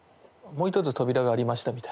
もう一つ扉がありました